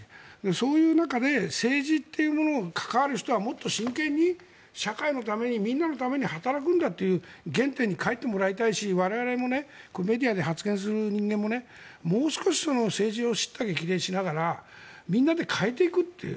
そういう中で政治というものに関わる人はもっと真剣に、社会のためにみんなのために働くんだという原点に返ってもらいたいし我々もメディアで発言する人間ももう少し政治を叱咤激励しながらみんなで変えていくという。